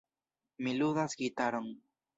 Mi ludas gitaron.